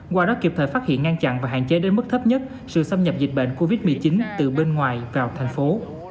qua đó kịp thời phát hiện ngăn chặn và hạn chế đến mức thấp nhất sự xâm nhập dịch bệnh covid một mươi chín từ bên ngoài vào thành phố